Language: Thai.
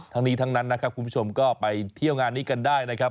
ทั้งนี้ทั้งนั้นนะครับคุณผู้ชมก็ไปเที่ยวงานนี้กันได้นะครับ